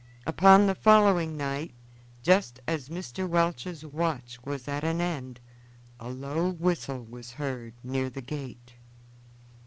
Upon the following night, just as Mr. Welch's watch was at an end, a low whistle was heard near the gate.